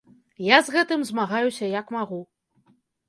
Я з гэтым змагаюся, як магу.